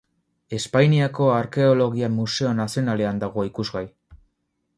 Espainiako Arkeologia Museo Nazionalean dago ikusgai.